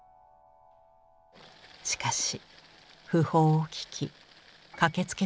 しかし訃報を聞き駆けつけた人がいました。